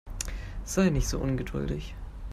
Sei nicht so ungeduldig.